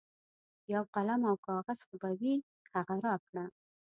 یو قلم او کاغذ خو به وي هغه راکړه.